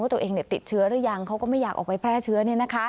ตัวเองติดเชื้อหรือยังเขาก็ไม่อยากออกไปแพร่เชื้อ